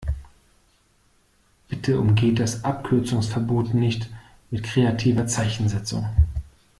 Bitte umgeht das Abkürzungsverbot nicht mit kreativer Zeichensetzung!